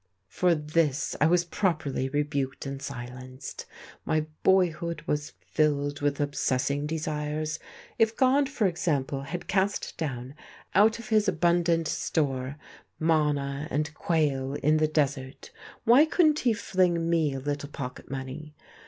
For this I was properly rebuked and silenced. My boyhood was filled with obsessing desires. If God, for example, had cast down, out of his abundant store, manna and quail in the desert, why couldn't he fling me a little pocket money?